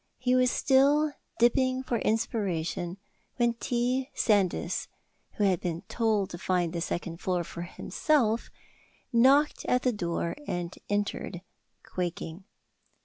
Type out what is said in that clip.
He was still dipping for inspiration when T. Sandys, who had been told to find the second floor for himself, knocked at the door, and entered, quaking.